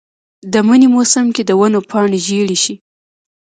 د منې موسم کې د ونو پاڼې ژیړې شي.